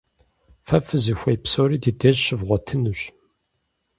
Фэ фызыхуей псори ди деж щывгъуэтынущ.